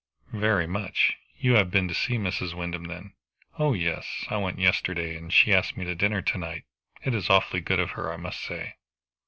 "Very much. You have been to see Mrs. Wyndham, then?" "Oh yes, I went yesterday, and she has asked me to dinner to night. It is awfully good of her, I must say."